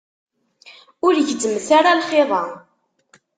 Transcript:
Ur gezzmet ara lxiḍ-a.